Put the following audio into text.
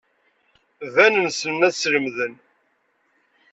Banen ssnen ad slemden.